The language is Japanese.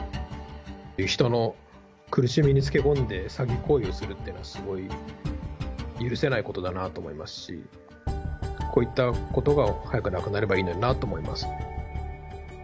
人の苦しみにつけ込んで、詐欺行為をするっていうのは、すごい許せないことだなと思いますし、こういったことが、早くなくなればいいのになと思います。